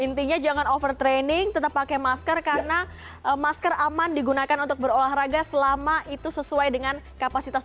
intinya jangan overtraining tetap pakai masker karena masker aman digunakan untuk berolahraga selama itu sesuai dengan kapasitas